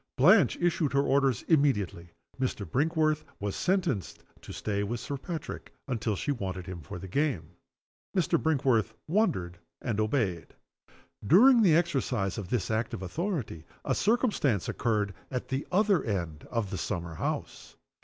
Blanche issued her orders immediately. Mr. Brinkworth was sentenced to stay with Sir Patrick until she wanted him for the game. Mr. Brinkworth wondered, and obeyed. During the exercise of this act of authority a circumstance occurred at the other end of the summer house.